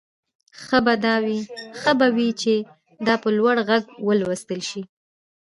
ښه به وي چې دا په لوړ غږ ولوستل شي